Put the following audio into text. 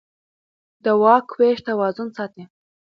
د واک وېش توازن ساتي